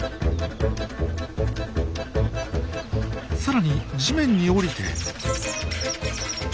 さらに地面に降りて。